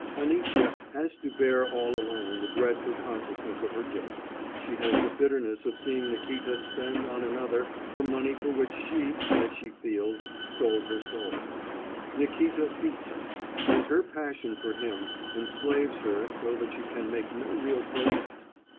Anisya has to bear all alone the dreadful consciousness of her guilt; she has the bitterness of seeing Nikíta spend on another the money for which she, as she feels, sold her soul; Nikíta beats her, and her passion for him enslaves her so that she can make no real protest.